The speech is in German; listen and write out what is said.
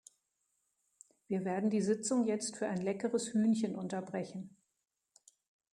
Wir werden die Sitzung jetzt für ein leckeres Hühnchen unterbrechen.